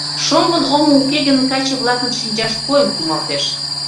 Шоҥгын омо уке гын, каче-влакын шинчашт койын кумалтеш.